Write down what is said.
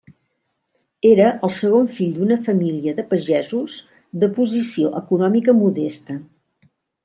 Era el segon fill d'una família de pagesos de posició econòmica modesta.